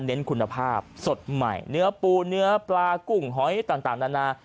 คุณภาพสดใหม่เนื้อปูเนื้อปลากุ้งหอยต่างนานา